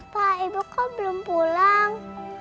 pak ibu kau belum pulang